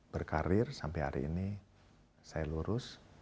berkarir sampai hari ini saya lurus